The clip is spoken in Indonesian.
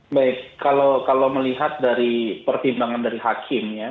baik kalau melihat dari pertimbangan dari hakim ya